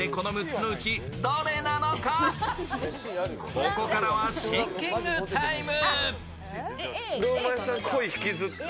ここからはシンキングタイム。